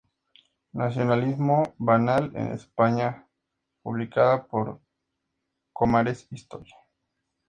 Nacionalismo banal en España", publicada por Comares Historia.